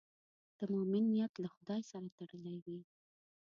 د مؤمن نیت له خدای سره تړلی وي.